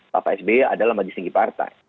bapak sbe adalah magis tinggi partai